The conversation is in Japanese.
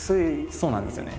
そうなんですよね。